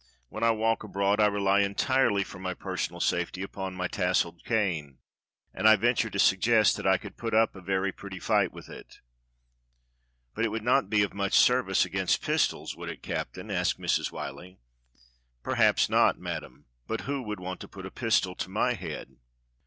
^\lien I w^lk abroad I rely entirely for my personal safety upon my tasselled cane, and I venture to suggest that I could put up a very pretty fight with it." "But it would not be of much service against pistols, would it. Captain.^" asked Mrs. Whyllie. "Perhaps not. Madam, but who would want to put a pistol to my head?"